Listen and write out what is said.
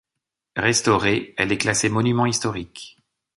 Restaurée, elle est classée Monument historique.